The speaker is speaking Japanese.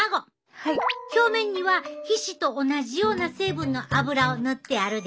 表面には皮脂と同じような成分の油を塗ってあるで。